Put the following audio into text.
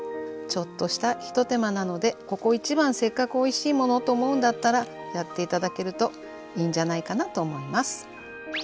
ちょっとした一手間なのでここ一番せっかくおいしいものをと思うんだったらやって頂けるといいんじゃないかなと思います。